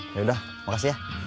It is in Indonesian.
yaudah makasih ya